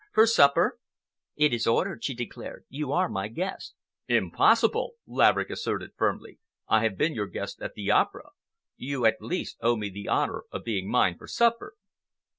For supper?" "It is ordered," she declared. "You are my guest." "Impossible!" Laverick asserted firmly. "I have been your guest at the Opera. You at least owe me the honor of being mine for supper."